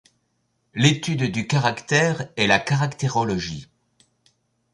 L'étude du caractère est la caractérologie.